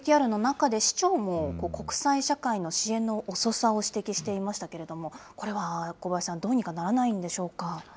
先ほど、ＶＴＲの中で市長も国際社会の支援の遅さを指摘していましたけれども、これは小林さん、どうにかならないんでしょう